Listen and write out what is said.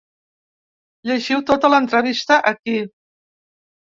Llegiu tota l’entrevista aquí.